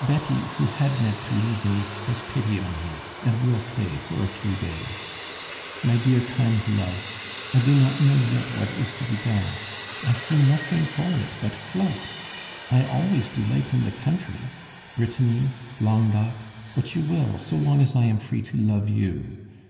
Betty, who had meant to leave me, has pity on me, and will stay for a few days. "My dear kind love, I do not know yet what is to be done. I see nothing for it but flight. I always delight in the country Brittany, Languedoc, what you will, so long as I am free to love you.